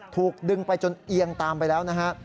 ถูกดึงไปจนเอียงตามไปแล้วนะฮะ